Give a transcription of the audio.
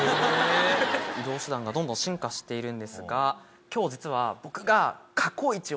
移動手段がどんどん進化しているんですが今日実は僕が。